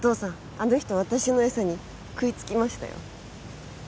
あの人私のエサに食いつきましたよ